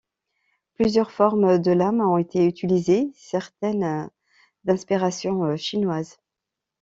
Plusieurs formes de lames ont été utilisées, certaines d'inspiration chinoise.